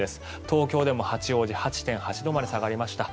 東京でも八王子、８．８度まで下がりました。